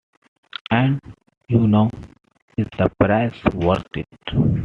And, you know, is the price worth it?